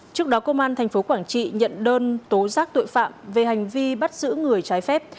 trước đó công an tp quảng trị nhận đơn tố giác tội phạm về hành vi bắt giữ người trái phép